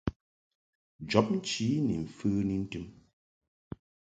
Jɔbnchi ni mfəni ntɨm.